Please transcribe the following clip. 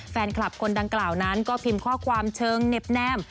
แฟนคลับคนดังกล่าวนั้นก็พิมพ์ข้อความเชิงเน็บแนม